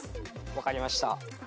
分かりました。